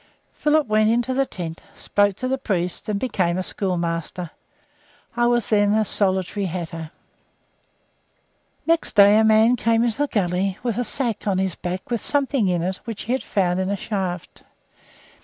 Philip went into the tent, spoke to the priest, and became a schoolmaster. I was then a solitary "hatter." Next day a man came up the gully with a sack on his back with something in it which he had found in a shaft.